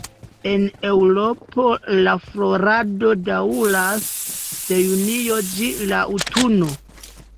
En Eŭropo la florado daŭras de junio ĝis la aŭtuno.